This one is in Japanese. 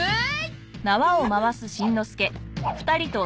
はい！